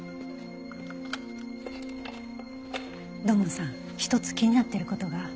土門さん一つ気になってる事が。